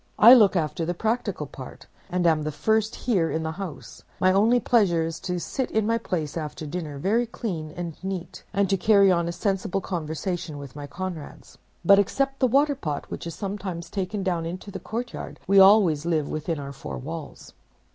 I look after the practical part, and am the first here in the house. My only pleasure is to sit in my place after dinner, very clean and neat, and to carry on a sensible conversation with my comrades. But except the Waterpot, which is sometimes taken down into the courtyard, we always live within our four walls.